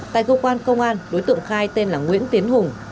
tại cơ quan công an đối tượng khai tên là nguyễn tiến hùng